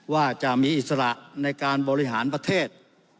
ว่าจะมีอิสระในการบริหารประเทศ